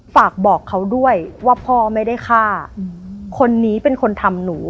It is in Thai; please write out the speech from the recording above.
ฝากบอกเขาด้วยว่าพ่อไม่ได้ฆ่าคนนี้เป็นคนทำหนู